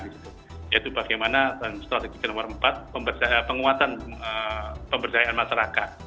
yaitu bagaimana strategi nomor empat penguatan pemberdayaan masyarakat